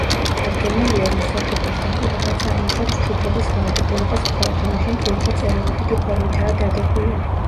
დადგენილია, რომ საჩუქრის დაპირება წარმოშობს ჩუქების ვალდებულებას მხოლოდ მაშინ, თუ იგი წერილობითი ფორმითაა დადებული.